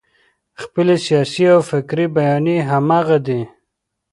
خپلې سیاسي او فکري بیانیې همغه دي.